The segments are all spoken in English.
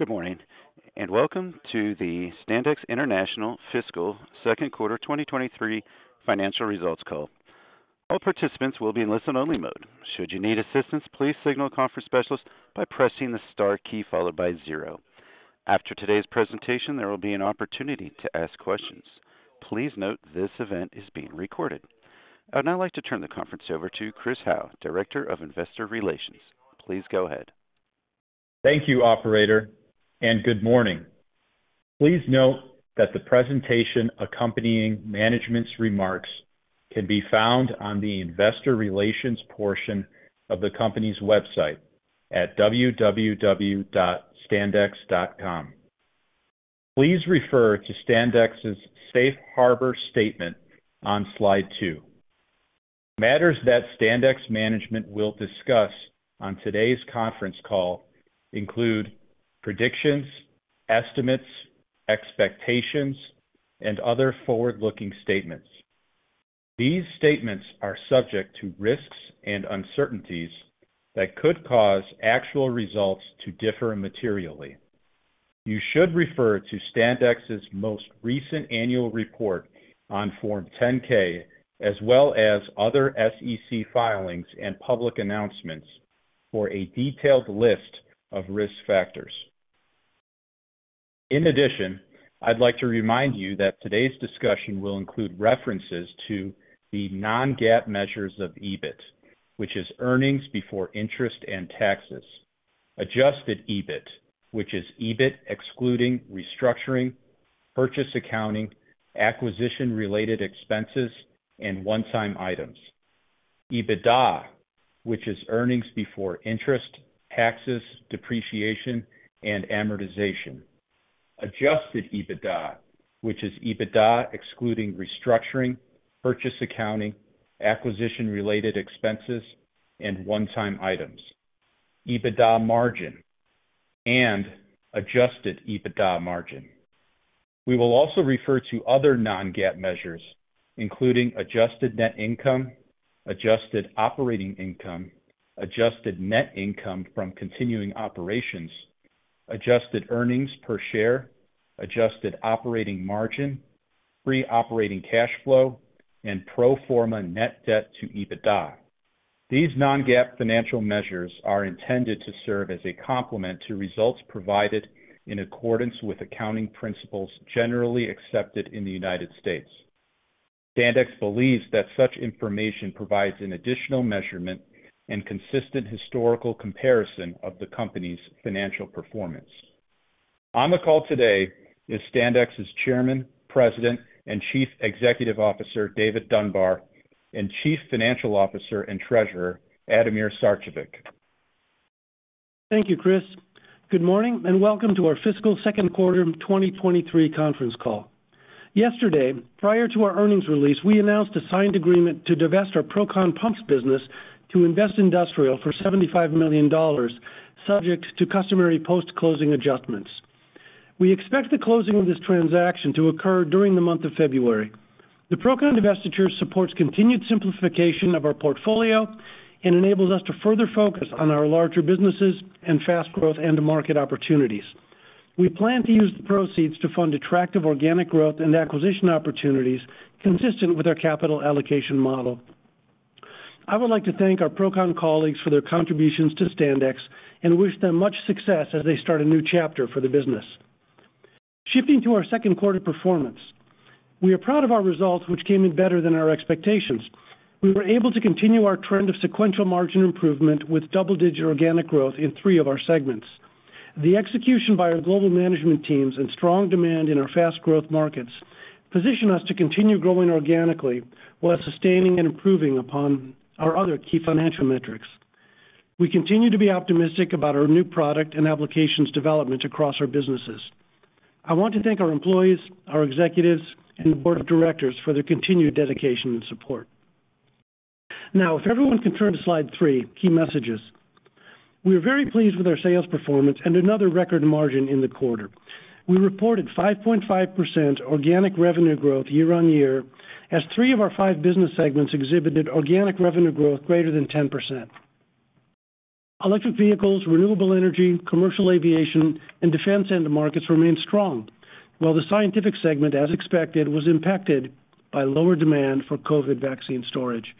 Good morning, welcome to the Standex International Fiscal Second Quarter 2023 financial results call. All participants will be in listen-only mode. Should you need assistance, please signal a conference specialist by pressing the star key followed by zero. After today's presentation, there will be an opportunity to ask questions. Please note this event is being recorded. I'd now like to turn the conference over to Chris Howe, Director of Investor Relations. Please go ahead. Thank you, operator. Good morning. Please note that the presentation accompanying management's remarks can be found on the investor relations portion of the company's website at www.standex.com. Please refer to Standex's safe harbor statement on slide two. Matters that Standex management will discuss on today's conference call include predictions, estimates, expectations, and other forward-looking statements. These statements are subject to risks and uncertainties that could cause actual results to differ materially. You should refer to Standex's most recent annual report on Form 10-K, as well as other SEC filings and public announcements for a detailed list of risk factors. In addition, I'd like to remind you that today's discussion will include references to the non-GAAP measures of EBIT, which is earnings before interest and taxes. Adjusted EBIT, which is EBIT excluding restructuring, purchase accounting, acquisition-related expenses, and one-time items. EBITDA, which is earnings before interest, taxes, depreciation, and amortization. Adjusted EBITDA, which is EBITDA excluding restructuring, purchase accounting, acquisition-related expenses, and one-time items. EBITDA margin and adjusted EBITDA margin. We will also refer to other non-GAAP measures, including adjusted net income, adjusted operating income, adjusted net income from continuing operations, adjusted earnings per share, adjusted operating margin, free operating cash flow, and pro forma net debt to EBITDA. These non-GAAP financial measures are intended to serve as a complement to results provided in accordance with accounting principles generally accepted in the United States. Standex believes that such information provides an additional measurement and consistent historical comparison of the company's financial performance. On the call today is Standex's Chairman, President, and Chief Executive Officer, David Dunbar, and Chief Financial Officer and Treasurer, Ademir Sarcevic. Thank you, Chris. Good morning and welcome to our fiscal second quarter of 2023 conference call. Yesterday, prior to our earnings release, we announced a signed agreement to divest our ProCon Pumps business to Investindustrial for $75 million subject to customary post-closing adjustments. We expect the closing of this transaction to occur during the month of February. The ProCon divestiture supports continued simplification of our portfolio and enables us to further focus on our larger businesses and fast growth end market opportunities. We plan to use the proceeds to fund attractive organic growth and acquisition opportunities consistent with our capital allocation model. I would like to thank our ProCon colleagues for their contributions to Standex and wish them much success as they start a new chapter for the business. Shifting to our second quarter performance. We are proud of our results, which came in better than our expectations. We were able to continue our trend of sequential margin improvement with double-digit organic growth in three of our segments. The execution by our global management teams and strong demand in our fast growth markets position us to continue growing organically while sustaining and improving upon our other key financial metrics. We continue to be optimistic about our new product and applications development across our businesses. I want to thank our employees, our executives, and board of directors for their continued dedication and support. If everyone can turn to slide three, key messages. We are very pleased with our sales performance and another record margin in the quarter. We reported 5.5% organic revenue growth year-over-year as three of our five business segments exhibited organic revenue growth greater than 10%. Electric vehicles, renewable energy, commercial aviation, and defense end markets remain strong, while the scientific segment, as expected, was impacted by lower demand for COVID vaccine storage.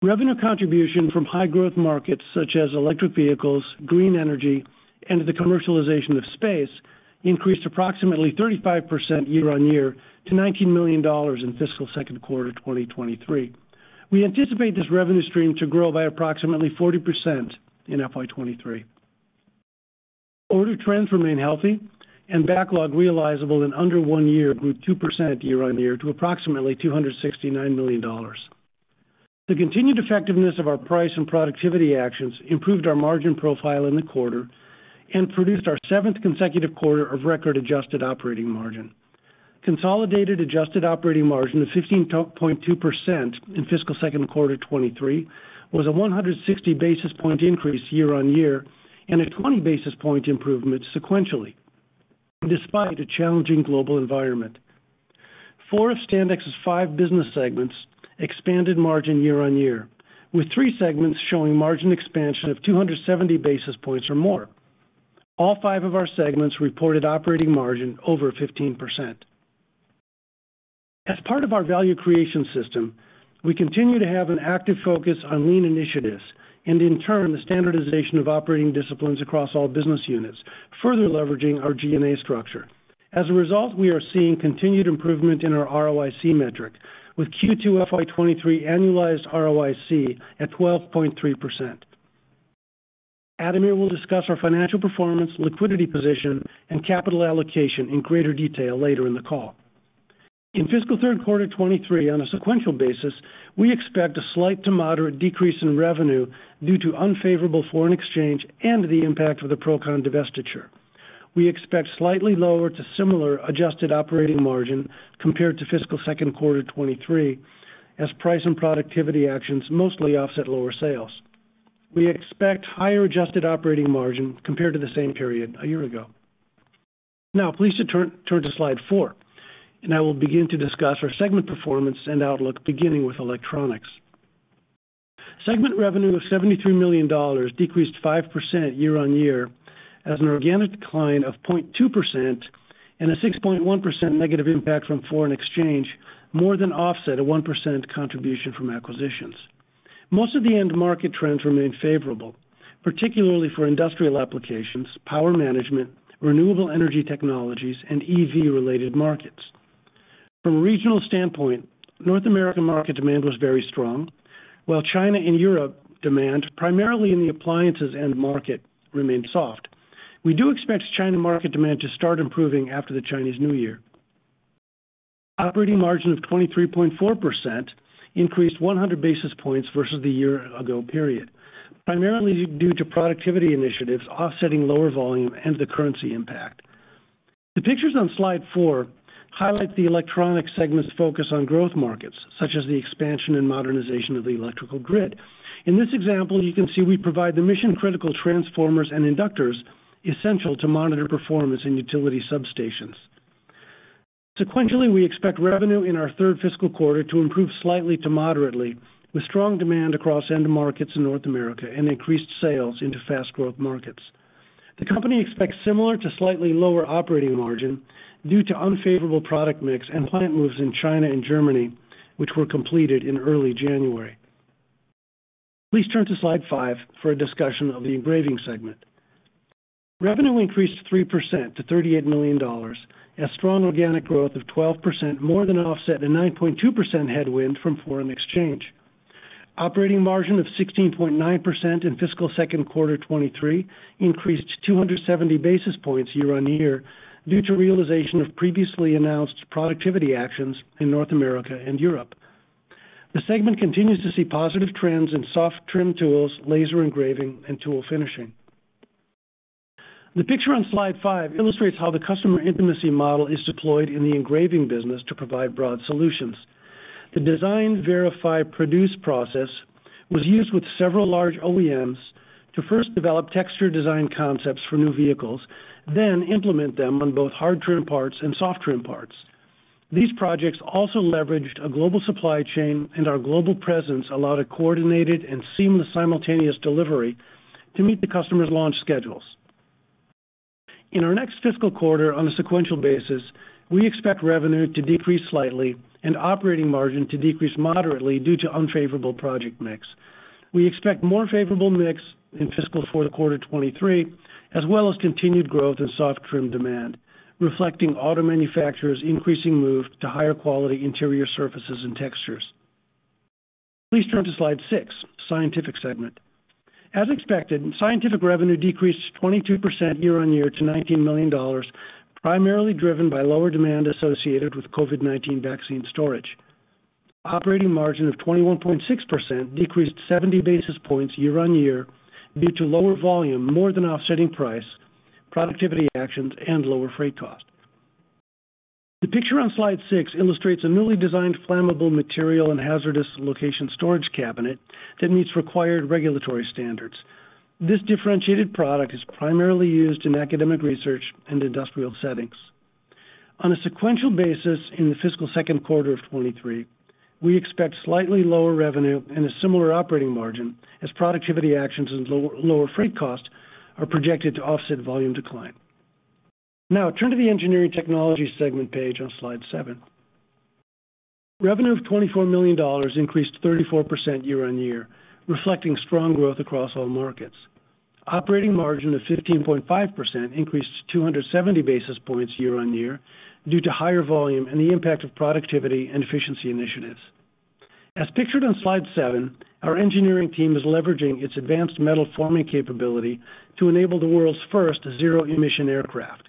Revenue contribution from high growth markets such as electric vehicles, green energy, and the commercialization of space increased approximately 35% year-on-year to $19 million in fiscal second quarter 2023. We anticipate this revenue stream to grow by approximately 40% in FY 2023. Order trends remain healthy and backlog realizable in under one year grew 2% year-on-year to approximately $269 million. The continued effectiveness of our price and productivity actions improved our margin profile in the quarter and produced our seventh consecutive quarter of record adjusted operating margin. Consolidated adjusted operating margin of 15.2% in fiscal second quarter 2023 was a 160 basis point increase year-on-year and a 20 basis point improvement sequentially despite a challenging global environment. Four of Standex's five business segments expanded margin year-on-year, with three segments showing margin expansion of 270 basis points or more. All five of our segments reported operating margin over 15%. As part of our value creation system, we continue to have an active focus on lean initiatives and, in turn, the standardization of operating disciplines across all business units, further leveraging our G&A structure. As a result, we are seeing continued improvement in our ROIC metric with Q2 FY 2023 annualized ROIC at 12.3%. Ademir will discuss our financial performance, liquidity position, and capital allocation in greater detail later in the call. In fiscal third quarter 2023 on a sequential basis, we expect a slight to moderate decrease in revenue due to unfavorable foreign exchange and the impact of the Procon divestiture. We expect slightly lower to similar adjusted operating margin compared to fiscal second quarter 2023 as price and productivity actions mostly offset lower sales. We expect higher adjusted operating margin compared to the same period a year ago. Now please turn to slide four, and I will begin to discuss our segment performance and outlook, beginning with electronics. Segment revenue of $73 million decreased 5% year-over-year as an organic decline of 0.2% and a 6.1% negative impact from foreign exchange more than offset a 1% contribution from acquisitions. Most of the end market trends remain favorable, particularly for industrial applications, power management, renewable energy technologies, and EV related markets. From a regional standpoint, North American market demand was very strong, while China and Europe demand, primarily in the appliances end market, remained soft. We do expect China market demand to start improving after the Chinese New Year. Operating margin of 23.4% increased 100 basis points versus the year-ago period, primarily due to productivity initiatives offsetting lower volume and the currency impact. The pictures on slide four highlight the electronic segment's focus on growth markets, such as the expansion and modernization of the electrical grid. In this example, you can see we provide the mission critical transformers and inductors essential to monitor performance in utility substations. Sequentially, we expect revenue in our third fiscal quarter to improve slightly to moderately, with strong demand across end markets in North America and increased sales into fast growth markets. The company expects similar to slightly lower operating margin due to unfavorable product mix and plant moves in China and Germany, which were completed in early January. Please turn to slide five for a discussion of the engraving segment. Revenue increased 3% to $38 million as strong organic growth of 12% more than offset a 9.2% headwind from foreign exchange. Operating margin of 16.9% in fiscal second quarter 2023 increased 270 basis points year-over-year due to realization of previously announced productivity actions in North America and Europe. The segment continues to see positive trends in soft trim tools, laser engraving, and tool finishing. The picture on slide five illustrates how the customer intimacy model is deployed in the engraving business to provide broad solutions. The design verify produce process was used with several large OEMs to first develop texture design concepts for new vehicles, then implement them on both hard trim parts and soft trim parts. These projects also leveraged a global supply chain and our global presence allowed a coordinated and seamless simultaneous delivery to meet the customer's launch schedules. In our next fiscal quarter on a sequential basis, we expect revenue to decrease slightly and operating margin to decrease moderately due to unfavorable project mix. We expect more favorable mix in fiscal fourth quarter 2023, as well as continued growth in soft trim demand, reflecting auto manufacturers increasing move to higher quality interior surfaces and textures. Please turn to slide six, scientific segment. As expected, scientific revenue decreased 22% year-on-year to $19 million, primarily driven by lower demand associated with COVID-19 vaccine storage. Operating margin of 21.6% decreased 70 basis points year-on-year due to lower volume, more than offsetting price, productivity actions, and lower freight costs. The picture on slide six illustrates a newly designed flammable material and hazardous location storage cabinet that meets required regulatory standards. This differentiated product is primarily used in academic research and industrial settings. On a sequential basis in the fiscal second quarter of 2023, we expect slightly lower revenue and a similar operating margin as productivity actions and lower freight costs are projected to offset volume decline. Turn to the engineering technology segment page on slide seven. Revenue of $24 million increased 34% year-on-year, reflecting strong growth across all markets. Operating margin of 15.5% increased to 270 basis points year-on-year due to higher volume and the impact of productivity and efficiency initiatives. As pictured on slide seven, our engineering team is leveraging its advanced metal forming capability to enable the world's first zero emission aircraft.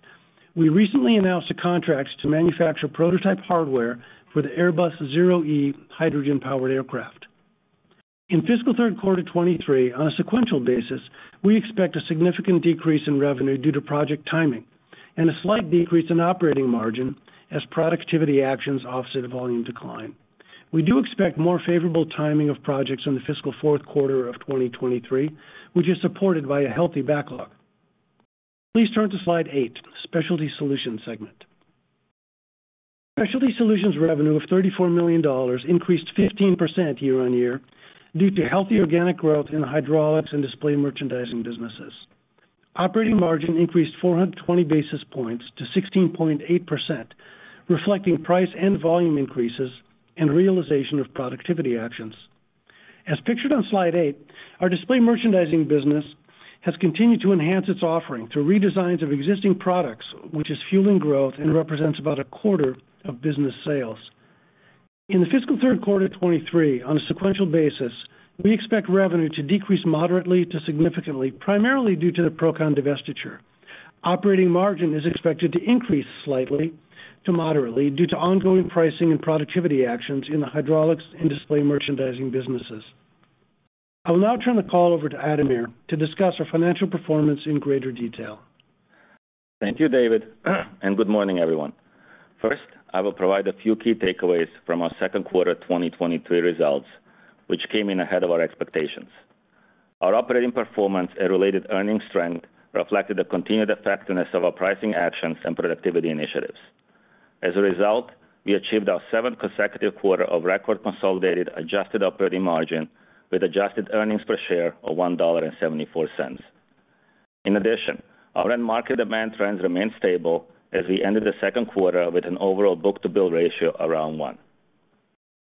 We recently announced a contract to manufacture prototype hardware for the Airbus ZEROe hydrogen powered aircraft. In fiscal 3rd quarter 2023, on a sequential basis, we expect a significant decrease in revenue due to project timing and a slight decrease in operating margin as productivity actions offset a volume decline. We do expect more favorable timing of projects in the fiscal fourth quarter of 2023, which is supported by a healthy backlog. Please turn to slide eight, Specialty Solutions segment. Specialty Solutions revenue of $34 million increased 15% year-over-year due to healthy organic growth in hydraulics and display merchandising businesses. Operating margin increased 420 basis points to 16.8%, reflecting price and volume increases and realization of productivity actions. As pictured on slide eight, our display merchandising business has continued to enhance its offering through redesigns of existing products, which is fueling growth and represents about a quarter of business sales. In the fiscal third quarter 2023, on a sequential basis, we expect revenue to decrease moderately to significantly, primarily due to the ProCon divestiture. Operating margin is expected to increase slightly to moderately due to ongoing pricing and productivity actions in the hydraulics and display merchandising businesses. I will now turn the call over to Ademir to discuss our financial performance in greater detail. Thank you, David. Good morning, everyone. First, I will provide a few key takeaways from our second quarter 2023 results, which came in ahead of our expectations. Our operating performance and related earnings strength reflected the continued effectiveness of our pricing actions and productivity initiatives. As a result, we achieved our seventh consecutive quarter of record consolidated adjusted operating margin with adjusted earnings per share of $1.74. In addition, our end market demand trends remain stable as we ended the second quarter with an overall book-to-bill ratio around one.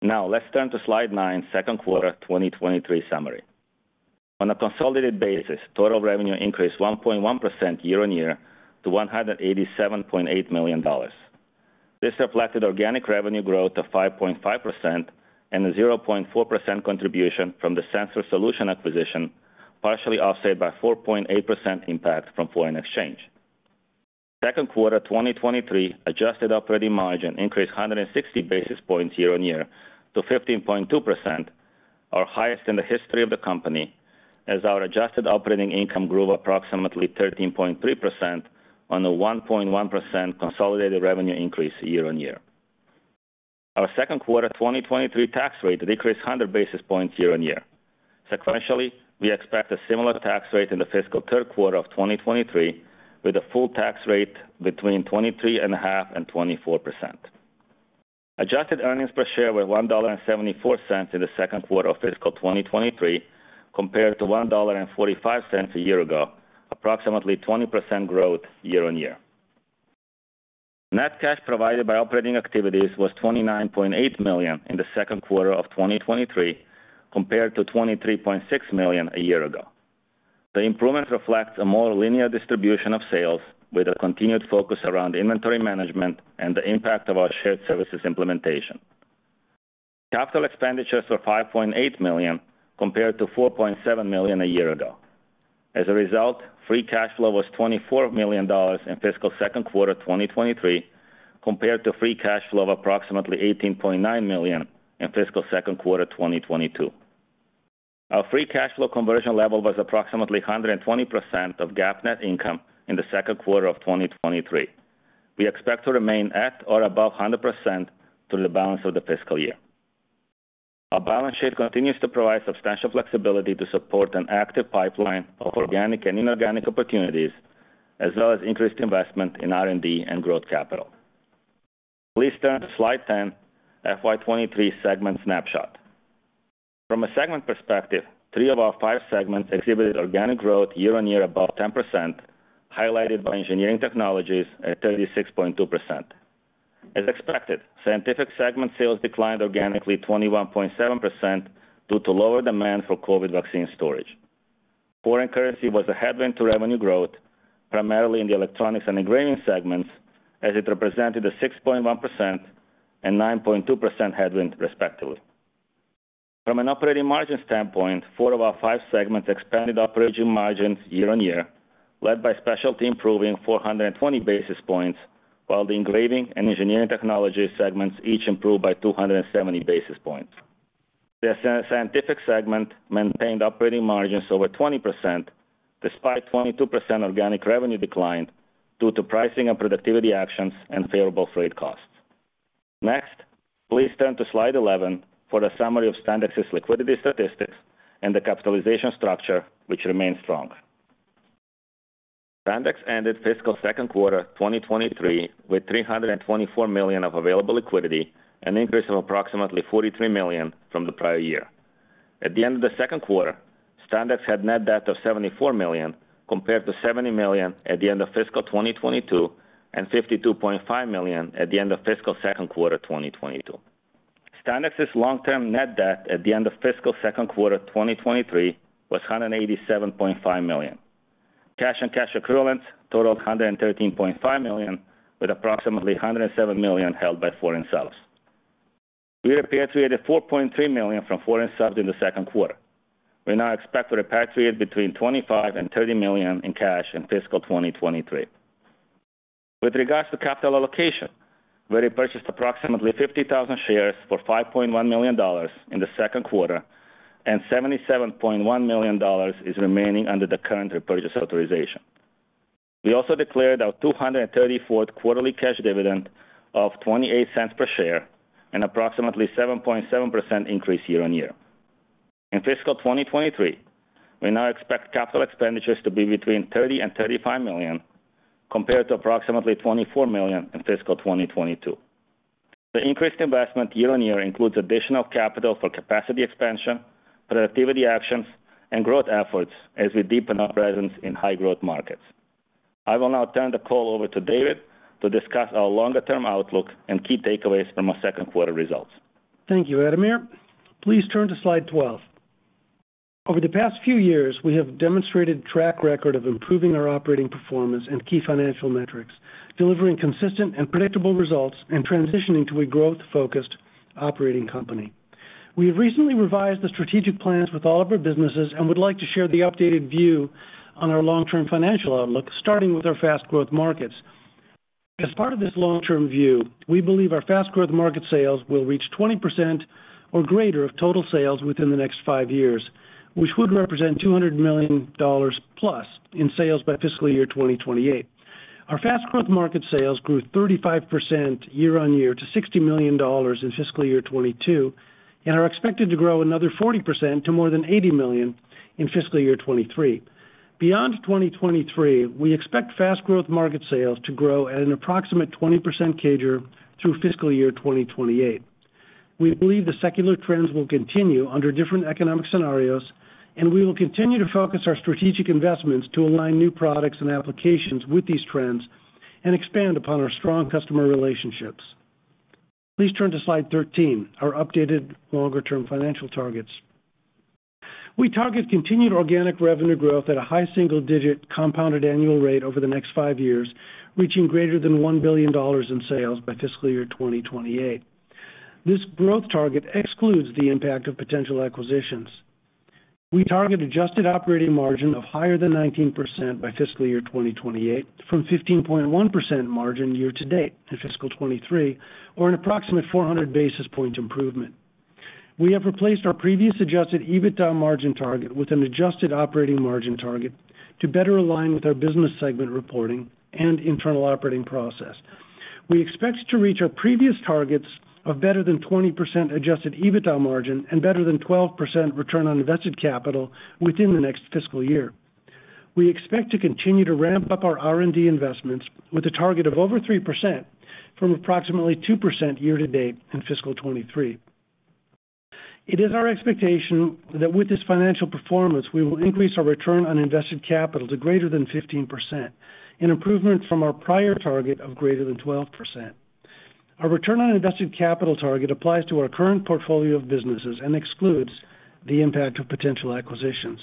Let's turn to slide nine, second quarter 2023 summary. On a consolidated basis, total revenue increased 1.1% year-over-year to $187.8 million. This reflected organic revenue growth of 5.5% and a 0.4% contribution from the Sensor Solutions acquisition, partially offset by 4.8% impact from foreign exchange. Second quarter 2023 adjusted operating margin increased 160 basis points year-on-year to 15.2%, our highest in the history of the company, as our adjusted operating income grew approximately 13.3% on the 1.1% consolidated revenue increase year-on-year. Our second quarter 2023 tax rate decreased 100 basis points year-on-year. Sequentially, we expect a similar tax rate in the fiscal third quarter of 2023, with a full tax rate between 23.5% and 24%. Adjusted earnings per share were $1.74 in the second quarter of fiscal 2023 compared to $1.45 a year ago, approximately 20% growth year-on-year. Net cash provided by operating activities was $29.8 million in the second quarter of 2023 compared to $23.6 million a year ago. The improvement reflects a more linear distribution of sales with a continued focus around inventory management and the impact of our shared services implementation. Capital expenditures were $5.8 million compared to $4.7 million a year ago. As a result, free cash flow was $24 million in fiscal second quarter 2023 compared to free cash flow of approximately $18.9 million in fiscal second quarter 2022. Our free cash flow conversion level was approximately 120% of GAAP net income in the second quarter of 2023. We expect to remain at or above 100% through the balance of the fiscal year. Our balance sheet continues to provide substantial flexibility to support an active pipeline of organic and inorganic opportunities, as well as increased investment in R&D and growth capital. Please turn to slide 10, FY 2023 segment snapshot. From a segment perspective, three of our five segments exhibited organic growth year-over-year above 10%, highlighted by engineering technologies at 36.2%. As expected, scientific segment sales declined organically 21.7% due to lower demand for COVID vaccine storage. Foreign currency was a headwind to revenue growth, primarily in the electronics and engraving segments, as it represented a 6.1% and 9.2% headwind respectively. From an operating margin standpoint, four of our five segments expanded operating margins year-on-year, led by specialty improving 420 basis points, while the engraving and engineering technology segments each improved by 270 basis points. The scientific segment maintained operating margins over 20% despite 22% organic revenue decline due to pricing and productivity actions and favorable freight costs. Next, please turn to slide 11 for a summary of Standex's liquidity statistics and the capitalization structure, which remains strong. Standex ended fiscal second quarter 2023 with $324 million of available liquidity, an increase of approximately $43 million from the prior year. At the end of the second quarter, Standex had net debt of $74 million compared to $70 million at the end of fiscal 2022 and $52.5 million at the end of fiscal second quarter 2022. Standex's long-term net debt at the end of fiscal second quarter 2023 was $187.5 million. Cash and cash equivalents totaled $113.5 million, with approximately $107 million held by foreign subs. We repatriated $4.3 million from foreign subs in the second quarter. We now expect to repatriate between $25 million and $30 million in cash in fiscal 2023. With regards to capital allocation, we repurchased approximately 50,000 shares for $5.1 million in the second quarter, and $77.1 million is remaining under the current repurchase authorization. We also declared our 234th quarterly cash dividend of $0.28 per share and approximately 7.7% increase year-on-year. In fiscal 2023, we now expect capital expenditures to be between $30 million and $35 million, compared to approximately $24 million in fiscal 2022. The increased investment year-on-year includes additional capital for capacity expansion, productivity actions, and growth efforts as we deepen our presence in high growth markets. I will now turn the call over to David to discuss our longer term outlook and key takeaways from our second quarter results. Thank you, Ademir. Please turn to slide 12. Over the past few years, we have demonstrated track record of improving our operating performance and key financial metrics, delivering consistent and predictable results and transitioning to a growth-focused operating company. We have recently revised the strategic plans with all of our businesses and would like to share the updated view on our long-term financial outlook, starting with our fast growth markets. As part of this long-term view, we believe our fast growth market sales will reach 20% or greater of total sales within the next five years, which would represent $200 million+ in sales by fiscal year 2028. Our fast growth market sales grew 35% year-on-year to $60 million in fiscal year 2022, and are expected to grow another 40% to more than $80 million in fiscal year 2023. Beyond 2023, we expect fast growth market sales to grow at an approximate 20% CAGR through fiscal year 2028. We believe the secular trends will continue under different economic scenarios, we will continue to focus our strategic investments to align new products and applications with these trends and expand upon our strong customer relationships. Please turn to slide 13, our updated longer term financial targets. We target continued organic revenue growth at a high single digit compounded annual rate over the next five years, reaching greater than $1 billion in sales by fiscal year 2028. This growth target excludes the impact of potential acquisitions. We target adjusted operating margin of higher than 19% by fiscal year 2028 from 15.1% margin year to date in fiscal 23, or an approximate 400 basis point improvement. We have replaced our previous adjusted EBITDA margin target with an adjusted operating margin target to better align with our business segment reporting and internal operating process. We expect to reach our previous targets of better than 20% adjusted EBITDA margin and better than 12% return on invested capital within the next fiscal year. We expect to continue to ramp up our R&D investments with a target of over 3% from approximately 2% year to date in fiscal 2023. It is our expectation that with this financial performance, we will increase our return on invested capital to greater than 15%, an improvement from our prior target of greater than 12%. Our return on invested capital target applies to our current portfolio of businesses and excludes the impact of potential acquisitions.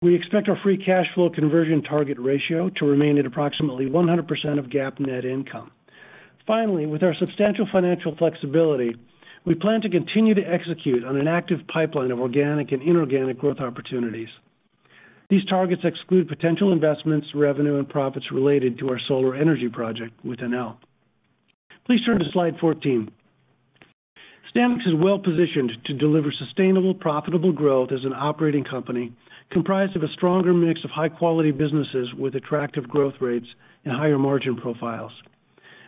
We expect our free cash flow conversion target ratio to remain at approximately 100% of GAAP net income. With our substantial financial flexibility, we plan to continue to execute on an active pipeline of organic and inorganic growth opportunities. These targets exclude potential investments, revenue, and profits related to our solar energy project with Enel. Please turn to slide 14. Standex is well-positioned to deliver sustainable, profitable growth as an operating company comprised of a stronger mix of high-quality businesses with attractive growth rates and higher margin profiles.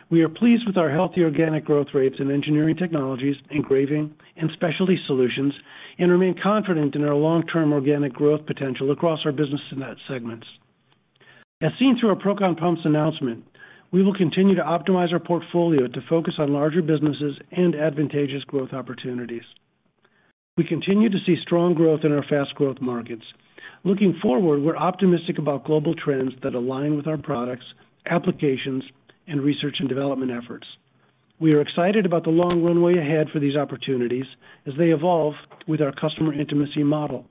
We are pleased with our healthy organic growth rates in engineering technologies, engraving, and specialty solutions, and remain confident in our long-term organic growth potential across our business segments. As seen through our ProCon Pumps announcement, we will continue to optimize our portfolio to focus on larger businesses and advantageous growth opportunities. We continue to see strong growth in our fast growth markets. Looking forward, we're optimistic about global trends that align with our products, applications, and research and development efforts. We are excited about the long runway ahead for these opportunities as they evolve with our customer intimacy model.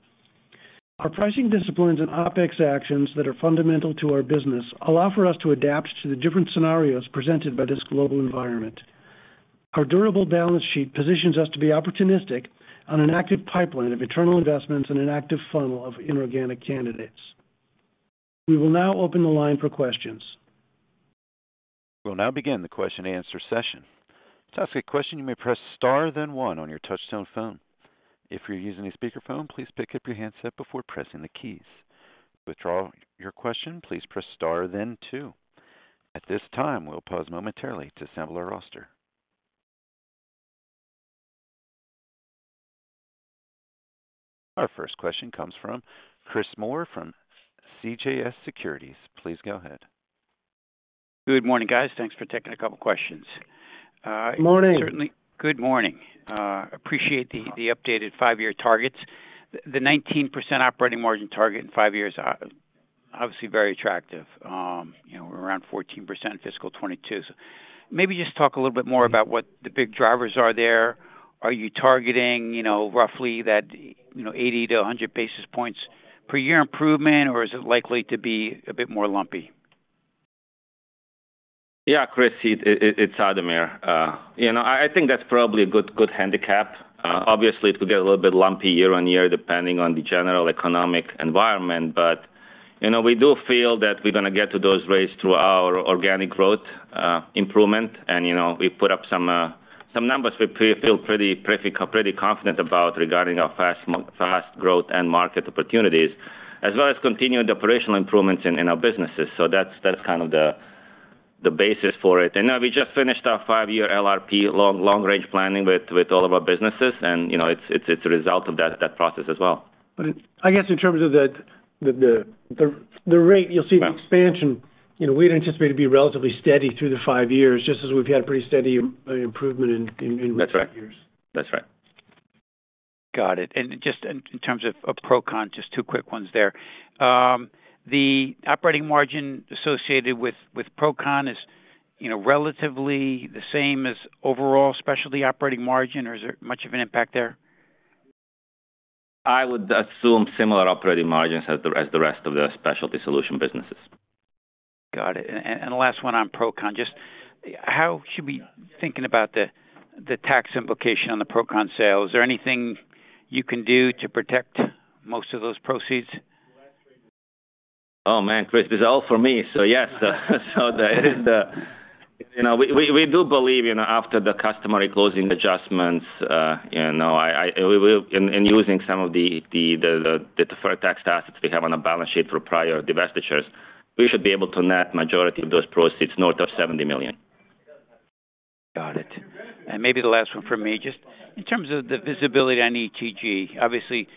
Our pricing disciplines and OpEx actions that are fundamental to our business allow for us to adapt to the different scenarios presented by this global environment. Our durable balance sheet positions us to be opportunistic on an active pipeline of internal investments and an active funnel of inorganic candidates. We will now open the line for questions. We will now begin the question and answer session. To ask a question, you may press Star then one on your touchtone phone. If you're using a speakerphone, please pick up your handset before pressing the keys. To withdraw your question, please press Star then two. At this time, we'll pause momentarily to assemble our roster. Our first question comes from Chris Moore from CJS Securities. Please go ahead. Good morning, guys. Thanks for taking a couple of questions. Morning. Good morning. Appreciate the updated five-year targets. The 19% operating margin target in five years are obviously very attractive. You know, we're around 14% fiscal 2022. Maybe just talk a little bit more about what the big drivers are there. Are you targeting, you know, roughly that, you know, 80 to 100 basis points per year improvement, or is it likely to be a bit more lumpy? Yeah, Chris, it's Ademir. You know, I think that's probably a good handicap. Obviously, it could get a little bit lumpy year-on-year depending on the general economic environment. You know, we do feel that we're gonna get to those rates through our organic growth improvement. You know, we put up some numbers we feel pretty confident about regarding our fast growth and market opportunities, as well as continued operational improvements in our businesses. That's kind of the basis for it. Now we just finished our five-year LRP, long range planning with all of our businesses, and, you know, it's a result of that process as well. I guess in terms of the rate you'll see. Yeah. The expansion, you know, we'd anticipate to be relatively steady through the five years, just as we've had pretty steady improvement in recent years. That's right. That's right. Got it. Just in terms of Procon, just two quick ones there. The operating margin associated with Procon is, you know, relatively the same as overall specialty operating margin, or is there much of an impact there? I would assume similar operating margins as the rest of the specialty solution businesses. Got it. The last one on Procon, just how should we thinking about the tax implication on the Procon sale? Is there anything you can do to protect most of those proceeds? Oh, man, Chris, this is all for me. Yes. The, you know, we do believe, you know, after the customary closing adjustments, you know, we will in using some of the deferred tax assets we have on our balance sheet for prior divestitures, we should be able to net majority of those proceeds north of $70 million. Got it. Maybe the last one from me, just in terms of the visibility on ETG, obviously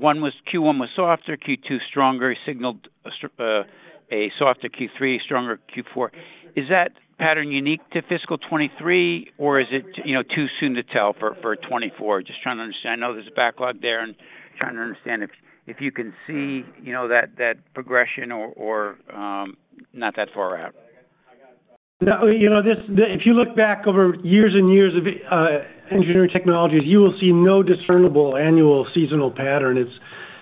Q1 was softer, Q2 stronger, signaled a softer Q3, stronger Q4. Is that pattern unique to fiscal 23 or is it, you know, too soon to tell for 24? Just trying to understand. I know there's a backlog there and trying to understand if you can see, you know, that progression or not that far out. No, you know, if you look back over years and years of engineering technologies, you will see no discernible annual seasonal pattern. It's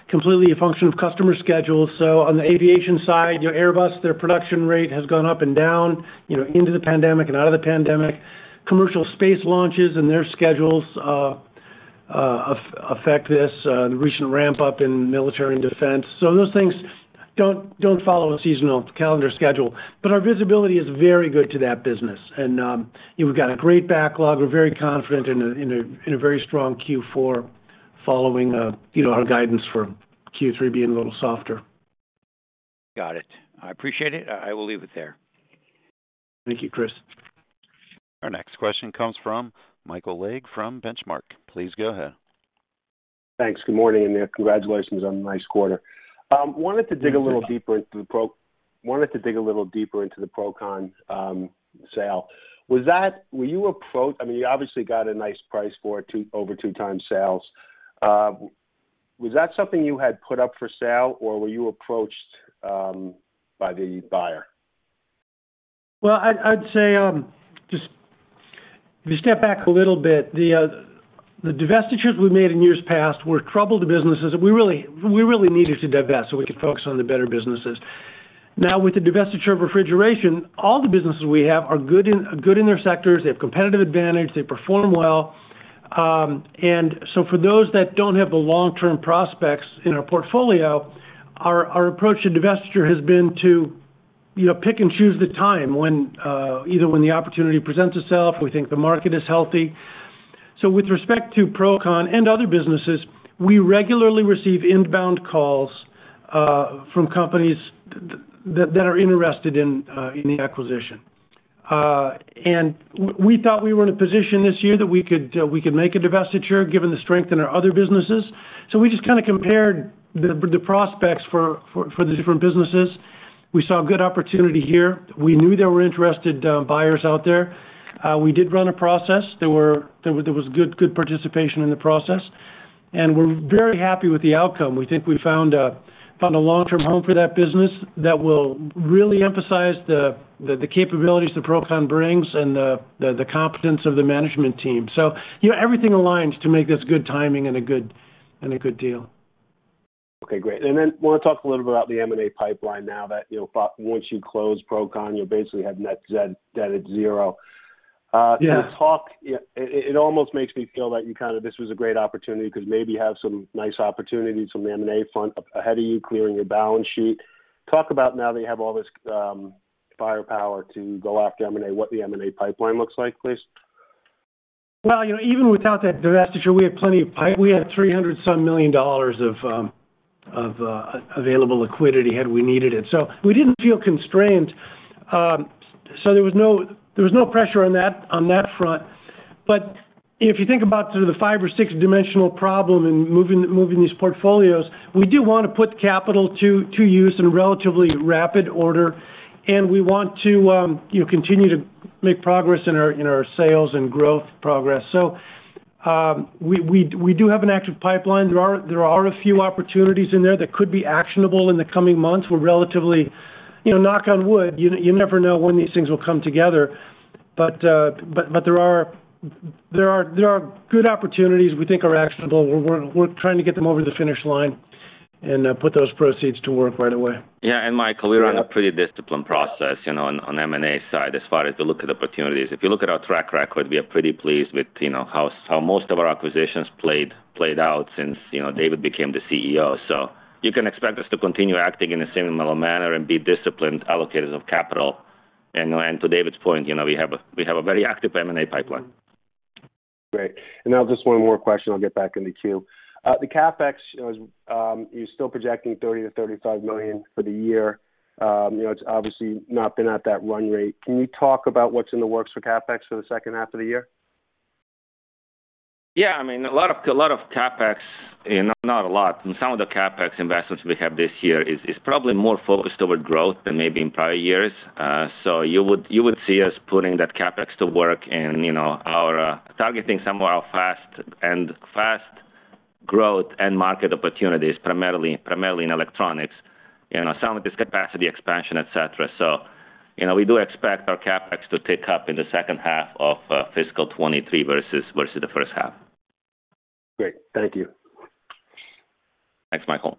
completely a function of customer schedule. On the aviation side, you know, Airbus, their production rate has gone up and down, you know, into the pandemic and out of the pandemic. Commercial space launches and their schedules affect this, the recent ramp up in military and defense. Those things don't follow a seasonal calendar schedule. Our visibility is very good to that business. You know, we've got a great backlog. We're very confident in a very strong Q4 following, you know, our guidance for Q3 being a little softer. Got it. I appreciate it. I will leave it there. Thank you, Chris. Our next question comes from Michael Legg from Benchmark. Please go ahead. Thanks. Good morning, and congratulations on the nice quarter. wanted to dig a little deeper into the Procon sale. I mean, you obviously got a nice price for it, over two times sales. Was that something you had put up for sale, or were you approached by the buyer? Well, I'd say, just if you step back a little bit, the divestitures we made in years past were troubled businesses that we really needed to divest so we could focus on the better businesses. Now, with the divestiture of refrigeration, all the businesses we have are good in their sectors, they have competitive advantage, they perform well. And for those that don't have the long-term prospects in our portfolio, our approach to divestiture has been to, you know, pick and choose the time when either when the opportunity presents itself, we think the market is healthy. With respect to Procon and other businesses, we regularly receive inbound calls, from companies that are interested in the acquisition. And we thought we were in a position this year that we could make a divestiture given the strength in our other businesses. We just kinda compared the prospects for the different businesses. We saw a good opportunity here. We knew there were interested buyers out there. We did run a process. There was good participation in the process, and we're very happy with the outcome. We think we found a long-term home for that business that will really emphasize the capabilities that Procon brings and the competence of the management team. You know, everything aligns to make this good timing and a good deal. Okay, great. Then wanna talk a little bit about the M&A pipeline now that, you know, once you close Procon, you basically have net debt at zero. Yeah. It almost makes me feel that you kind of this was a great opportunity because maybe you have some nice opportunities from the M&A front up ahead of you, clearing your balance sheet. Talk about now that you have all this firepower to go after M&A, what the M&A pipeline looks like, please? You know, even without that divestiture, we had plenty of pipe. We had $300 some million of available liquidity had we needed it. We didn't feel constrained. There was no pressure on that front. If you think about sort of the five or six dimensional problem in moving these portfolios, we do wanna put capital to use in relatively rapid order, and we want to, you know, continue to make progress in our sales and growth progress. We do have an active pipeline. There are a few opportunities in there that could be actionable in the coming months. We're relatively, you know, knock on wood, you never know when these things will come together. There are good opportunities we think are actionable. We're trying to get them over the finish line and, put those proceeds to work right away. Yeah, Michael, we run a pretty disciplined process, you know, on M&A side as far as we look at opportunities. If you look at our track record, we are pretty pleased with, you know, how most of our acquisitions played out since, you know, David became the CEO. You can expect us to continue acting in a similar manner and be disciplined allocators of capital. To David's point, you know, we have a very active M&A pipeline. Great. Now just one more question, I'll get back in the queue. The CapEx, you're still projecting $30 million-$35 million for the year. You know, it's obviously not been at that run rate. Can you talk about what's in the works for CapEx for the second half of the year? Yeah. I mean, a lot of CapEx, you know, not a lot. Some of the CapEx investments we have this year is probably more focused over growth than maybe in prior years. You would see us putting that CapEx to work in, you know, our targeting some of our fast growth end market opportunities, primarily in electronics. You know, some of this capacity expansion, et cetera. So, you know, we do expect our CapEx to tick up in the second half of fiscal 2023 versus the first half. Great. Thank you. Thanks, Michael.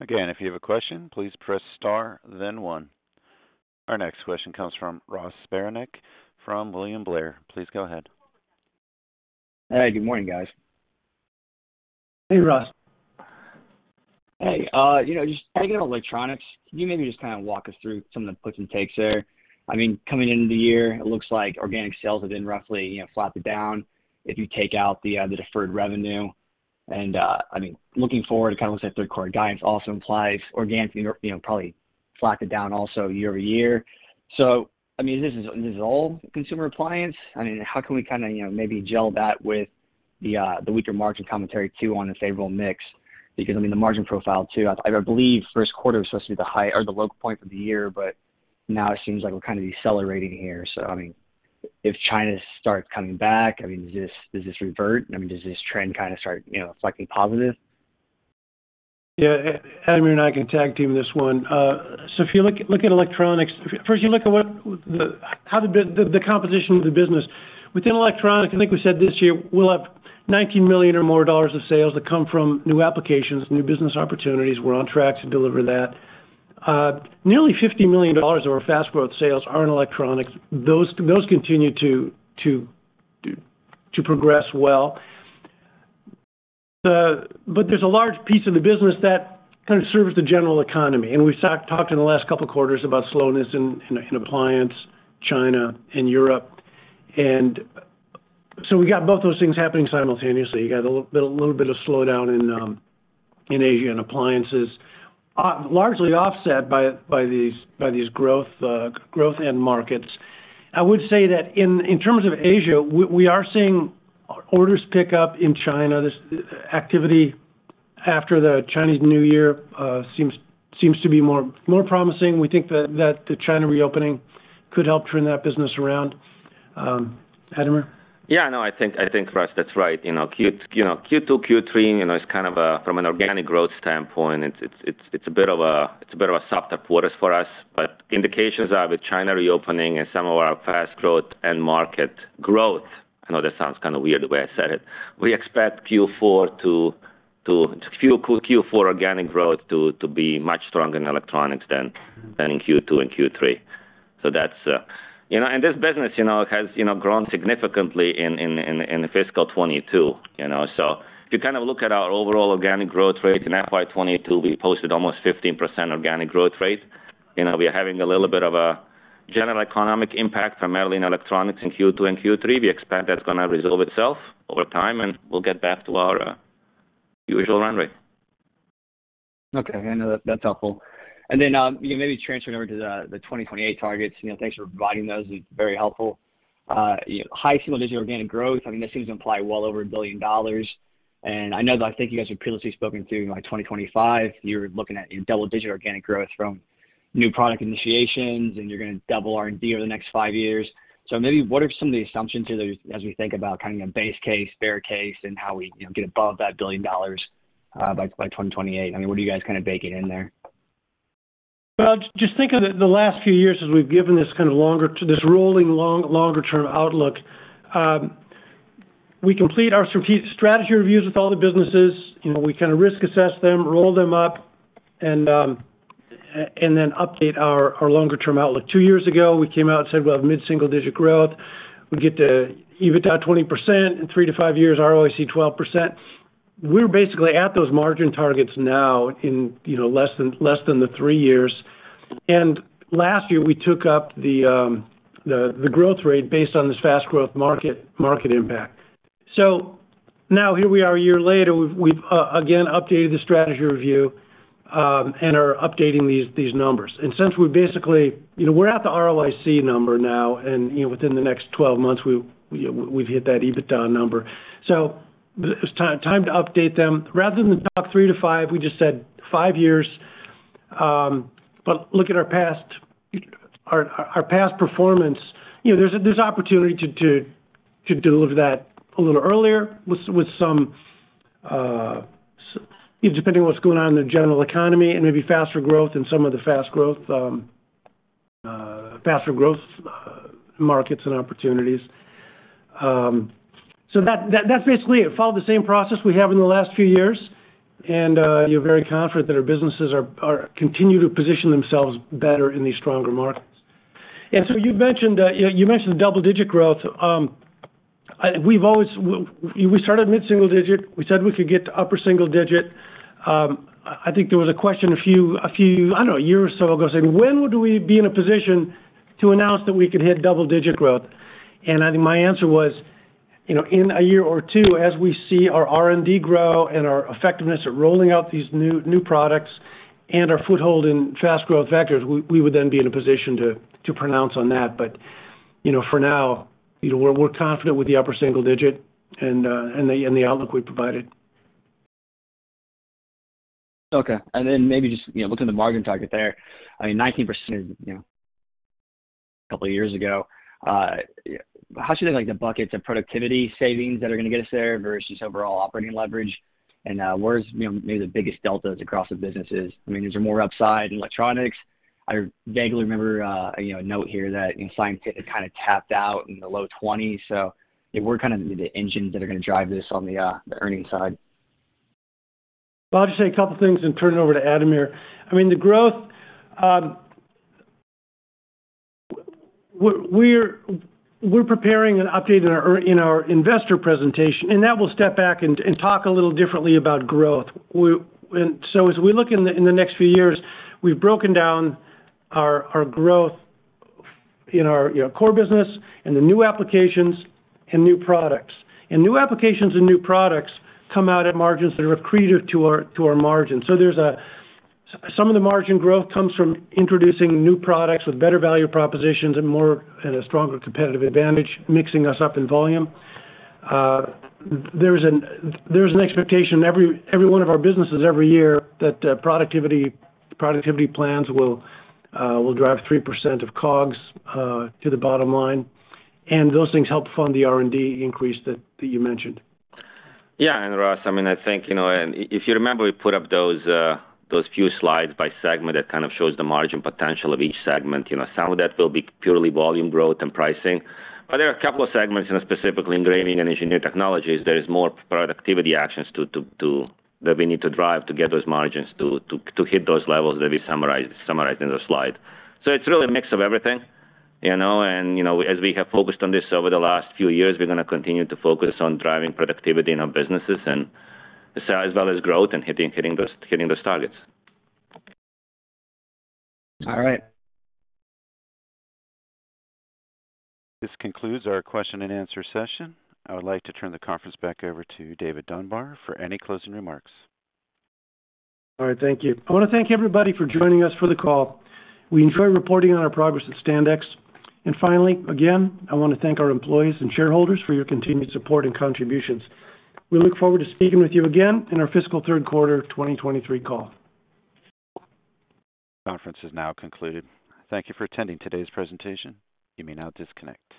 Again, if you have a question, please press Star then One. Our next question comes from Ross Sparenblek from William Blair. Please go ahead. Hey, good morning, guys. Hey, Ross. Hey. you know, just taking on electronics, can you maybe just kind of walk us through some of the puts and takes there? I mean, coming into the year, it looks like organic sales have been roughly, you know, flat to down if you take out the deferred revenue. I mean, looking forward, it kind of looks like third quarter guidance also implies organic, you know, probably flat to down also year-over-year. I mean, is this all consumer appliance? I mean, how can we kind of, you know, maybe gel that with the weaker margin commentary too, on the favorable mix? I mean, the margin profile too, I believe first quarter was supposed to be the high or the low point for the year, but now it seems like we're kind of decelerating here. I mean, if China starts coming back, I mean, does this revert? I mean, does this trend kind of start, you know, flexing positive? Yeah. Ademir and I can tag team this one. If you look at electronics, first, you look at what the how the composition of the business. Within electronics, I think we said this year we'll have $19 million or more of sales that come from new applications, new business opportunities. We're on track to deliver that. Nearly $50 million of our fast growth sales are in electronics. Those continue to progress well. There's a large piece of the business that kind of serves the general economy, we talked in the last couple of quarters about slowness in appliance, China, and Europe. We got both those things happening simultaneously. You got a little bit of slowdown in Asia and appliances, largely offset by these growth end markets. I would say that in terms of Asia, we are seeing orders pick up in China. This activity after the Chinese New Year seems to be more promising. We think that the China reopening could help turn that business around. Ademir. Yeah, no. I think, Ross, that's right. You know, Q2, Q3, you know, is kind of a from an organic growth standpoint, it's a bit of a softer quarter for us. Indications are with China reopening and some of our fast growth end market growth. I know that sounds kind of weird the way I said it. We expect Q4 organic growth to be much stronger in electronics than in Q2 and Q3. That's. This business, you know, has, you know, grown significantly in fiscal 2022. You know? If you kind of look at our overall organic growth rate in FY 2022, we posted almost 15% organic growth rate. You know, we're having a little bit of a general economic impact primarily in electronics in Q2 and Q3. We expect that's gonna resolve itself over time, and we'll get back to our usual run rate. Okay. I know that's helpful. You know, maybe transferring over to the 2028 targets. You know, thanks for providing those. It's very helpful. You know, high single-digit organic growth, I mean, that seems to imply well over $1 billion. I know that I think you guys have previously spoken to, like, 2025. You're looking at double-digit organic growth from new product initiations, and you're gonna double R&D over the next five years. Maybe what are some of the assumptions to those as we think about kind of a base case, bear case, and how we, you know, get above that $1 billion by 2028? I mean, what are you guys kind of baking in there? Well, just think of it the last few years as we've given this kind of rolling long, longer term outlook. We complete our strategy reviews with all the businesses. You know, we kind of risk assess them, roll them up, and then update our longer term outlook. Two years ago, we came out and said, we'll have mid-single digit growth. We get to EBITDA 20% in three to five years, ROIC 12%. We're basically at those margin targets now in, you know, less than the three years. Last year, we took up the growth rate based on this fast growth market impact. Now here we are a year later, we've again updated the strategy review and are updating these numbers. Since we're basically... You know, we're at the ROIC number now. You know, within the next 12 months, we've hit that EBITDA number. It's time to update them. Rather than the top three to five, we just said five years. Look at our past performance. You know, there's opportunity to deliver that a little earlier with some, you know, depending on what's going on in the general economy and maybe faster growth in some of the fast growth, faster growth markets and opportunities. That's basically it. Follow the same process we have in the last few years. You're very confident that our businesses continue to position themselves better in these stronger markets. You mentioned, you know, you mentioned double-digit growth. We've always. We started mid-single digit. We said we could get to upper single digit. I think there was a question a few, I don't know, a year or so ago, saying, "When would we be in a position to announce that we could hit double-digit growth?" I think my answer was, you know, in a year or two, as we see our R&D grow and our effectiveness at rolling out these new products and our foothold in fast growth vectors, we would then be in a position to pronounce on that. You know, for now, you know, we're confident with the upper single digit and the outlook we've provided. Okay. Maybe just, you know, looking at the margin target there. I mean, 19%, you know, a couple of years ago. How should I think the buckets of productivity savings that are gonna get us there versus overall operating leverage? Where's, you know, maybe the biggest deltas across the businesses? I mean, is there more upside in electronics? I vaguely remember, you know, a note here that in science it kind of tapped out in the low twenties. What kind of the engines that are gonna drive this on the earnings side? Well, I'll just say a couple of things and turn it over to Ademir Sarcevic. I mean, the growth. We're preparing an update in our investor presentation, and that will step back and talk a little differently about growth. As we look in the, in the next few years, we've broken down our growth in our, you know, core business and the new applications and new products. New applications and new products come out at margins that are accretive to our margins. Some of the margin growth comes from introducing new products with better value propositions and more, and a stronger competitive advantage, mixing us up in volume. There is an expectation every one of our businesses every year that productivity plans will drive 3% of COGS to the bottom line. Those things help fund the R&D increase that you mentioned. Yeah. Ross, I mean, I think, you know, if you remember, we put up those few slides by segment that kind of shows the margin potential of each segment. You know, some of that will be purely volume growth and pricing. There are a couple of segments, and specifically Engraving and Engineered Technologies, there is more productivity actions to that we need to drive to get those margins to hit those levels that we summarized in the slide. It's really a mix of everything, you know. You know, as we have focused on this over the last few years, we're gonna continue to focus on driving productivity in our businesses and as well as growth and hitting those targets. All right. This concludes our question and answer session. I would like to turn the conference back over to David Dunbar for any closing remarks. All right, thank you. I wanna thank everybody for joining us for the call. We enjoy reporting on our progress at Standex. Finally, again, I wanna thank our employees and shareholders for your continued support and contributions. We look forward to speaking with you again in our fiscal third quarter of 2023 call. Conference is now concluded. Thank you for attending today's presentation. You may now disconnect.